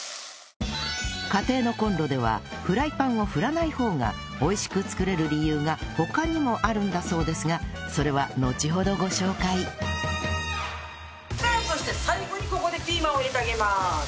家庭のコンロではフライパンを振らない方が美味しく作れる理由が他にもあるんだそうですがそれはのちほどご紹介さあそして最後にここでピーマンを入れてあげます。